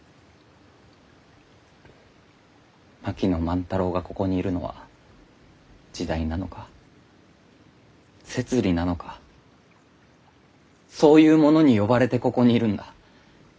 槙野万太郎がここにいるのは時代なのか摂理なのかそういうものに呼ばれてここにいるんだ。